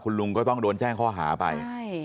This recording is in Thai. ลุงก็ต้องโดนแจ้งข้อหาไป